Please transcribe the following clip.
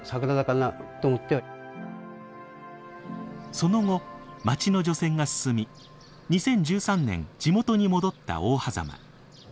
その後町の除染が進み２０１３年地元に戻った大峽。